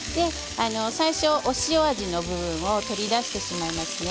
最初、塩味の部分を取り出してしまいますね。